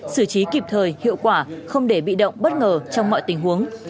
xử trí kịp thời hiệu quả không để bị động bất ngờ trong mọi tình huống